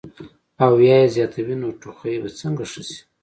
او يا ئې زياتوي نو ټوخی به څنګ ښۀ شي -